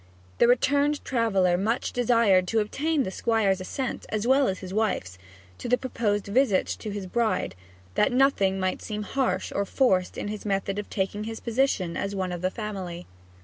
The returned traveller much desired to obtain the Squire's assent, as well as his wife's, to the proposed visit to his bride, that nothing might seem harsh or forced in his method of taking his position as one of the family.